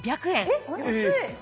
えっ安い！